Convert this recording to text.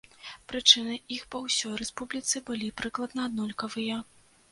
Прычыны іх па ўсёй рэспубліцы былі прыкладна аднолькавыя.